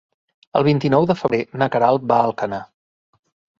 El vint-i-nou de febrer na Queralt va a Alcanar.